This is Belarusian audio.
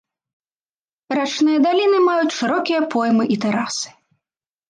Рачныя даліны маюць шырокія поймы і тэрасы.